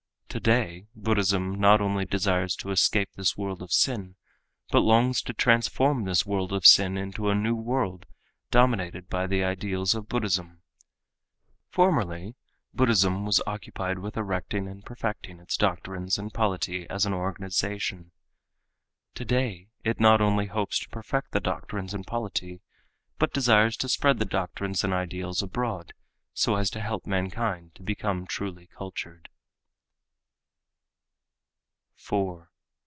Today Buddhism not only desires to escape this world of sin, but longs to transform this world of sin into a new world dominated by the ideals of Buddhism. Formerly Buddhism was occupied with erecting and perfecting its doctrines and polity as an organization. Today it not only hopes to perfect the doctrines and polity, but desires to spread the doctrines and ideals abroad so as to help mankind to become truly cultured."